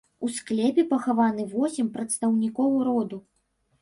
У склепе пахаваны восем прадстаўнікоў роду.